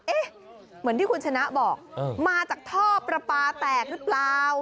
เหมือนที่คุณชนะบอกมาจากท่อประปาแตกหรือเปล่า